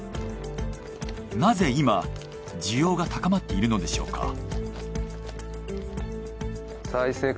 なぜ今需要が高まっているのでしょうか？